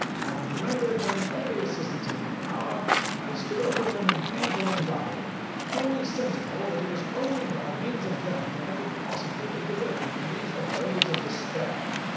Having rendered them every assistance in my power, I stood over them in painful anxiety, fully sensible that it was only by means of them that I could possibly be delivered from these abodes of despair.